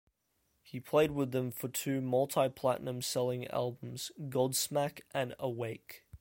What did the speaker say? He played with them for two multi-platinum selling albums, "Godsmack" and "Awake".